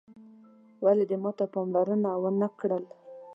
ولي دې ماته پاملرنه وه نه کړل